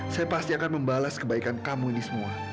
saya pasti akan membalas kebaikan kamu ini semua